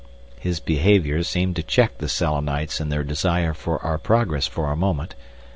His behaviour seemed to check the Selenites in their desire for our progress for a moment.